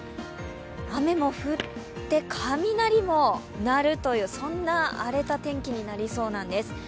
雨も降って、雷も鳴るというそんな荒れた天気になりそうです。